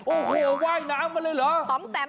โอ้โหว่ายน้ำมาเลยเหรอ